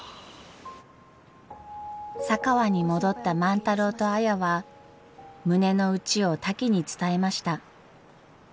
佐川に戻った万太郎と綾は胸の内をタキに伝えました。